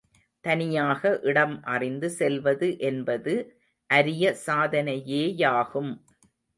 தனியாக இடம் அறிந்து செல்வது என்பது அரிய சாதனையே யாகும்.